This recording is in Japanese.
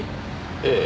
ええ。